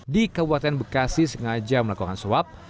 di kabupaten bekasi sengaja melakukan swab